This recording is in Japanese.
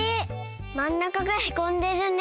まん中がへこんでるね。